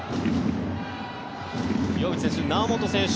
岩渕さん、猶本選手